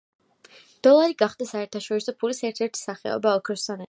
დოლარი გახდა საერთაშორისო ფულის ერთ-ერთი სახეობა, ოქროსთან ერთად.